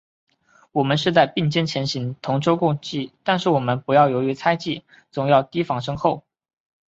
我们是在并肩前行，同舟共济，但是我们不要由于猜疑，总要提防身后。